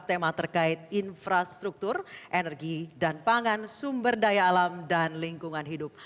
tema terkait infrastruktur energi dan pangan sumber daya alam dan lingkungan hidup